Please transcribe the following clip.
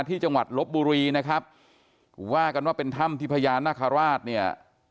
จังหวัดลบบุรีนะครับว่ากันว่าเป็นถ้ำที่พญานาคาราชเนี่ย